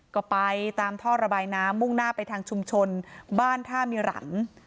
ก็ไปตามท่อระบายน้ำมุ่งหน้าไปทางชุมชนบ้านท่ามิรัน